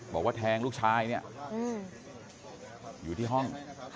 บอกว่าแทงลูกชายเนี่ยอยู่ที่ห้อง